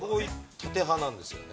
◆縦派なんですよね。